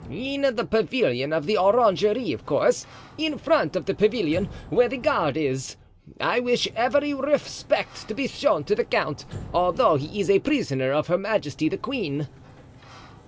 "In the pavilion of the orangery, of course, in front of the pavilion where the guard is. I wish every respect to be shown the count, although he is the prisoner of her majesty the queen."